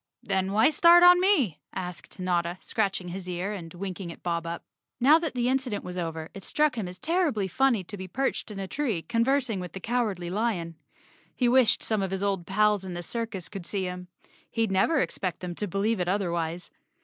"Then why start on me?" asked Notta, scratching his ear and winking at Bob Up. Now that the incident .was over it struck him as terribly funny to be perched 118 Chapter Nine in a tree conversing with the Cowardly Lion. He wished some of his old pals in the circus could see him. He'd never expect them to believe it otherwise.